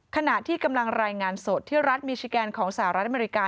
ขณะที่กำลังรายงานสดที่รัฐมิชิแกนของสหรัฐอเมริกา